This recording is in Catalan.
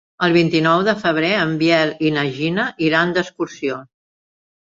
El vint-i-nou de febrer en Biel i na Gina iran d'excursió.